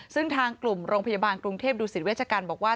ซึ่งทางกลุ่มโรงพยาบาลกรุงเทพดูสิตเวชกรรมบอกว่า